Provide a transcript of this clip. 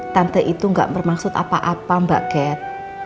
tante itu gak bermaksud apa apa mbak gat